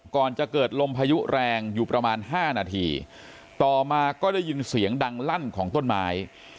ก่อนจะเกิดลมพายุแรงอยู่ประมาณ๕นาทีต่อมาก็ได้ยินเสียงดังลั่นของต้นไม้